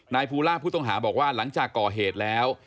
ภูล่าผู้ต้องหาบอกว่าหลังจากก่อเหตุแล้ว